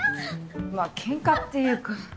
まあケンカっていうか。